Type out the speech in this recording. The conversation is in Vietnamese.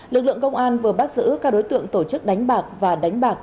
lực lượng công an vừa bắt giữ các đối tượng tổ chức đánh bạc và đánh bạc